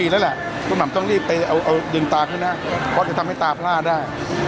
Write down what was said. เราต้องรีบไปเอาเย็นตาเข้าหน้าเพราะจะทำให้ตาพลาดได้